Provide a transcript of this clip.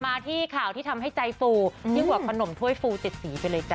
มาที่ข่าวที่ทำให้ใจฟูยิ่งกว่าขนมถ้วยฟู๗สีไปเลยจ้